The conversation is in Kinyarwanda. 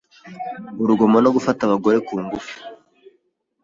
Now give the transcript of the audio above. urugomo no gufata abagore ku ngufu